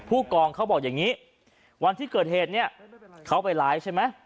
ผู้กองเขาบอกอย่างนี้วันที่เกิดเหตุเนี่ยเขาไปไลฟ์ใช่ไหม